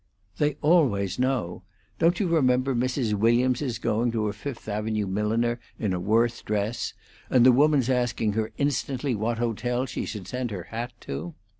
"They always know. Don't you remember Mrs. Williams's going to a Fifth Avenue milliner in a Worth dress, and the woman's asking her instantly what hotel she should send her hat to?"